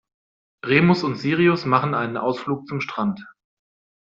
Remus und Sirius machen einen Ausflug zum Strand.